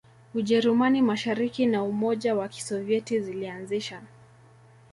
Ujerumani Mashariki na Umoja wa Kisovyeti zilianzisha